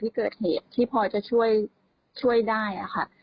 ที่เกิดเหตุที่พอจะช่วยได้ค่ะ